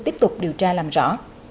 tiếp tục điều tra làm rõ